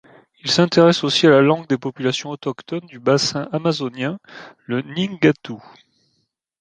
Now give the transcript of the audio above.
Il s'intéresse aussi à la langue des populations autochtones du bassin amazonien, le nheengatu.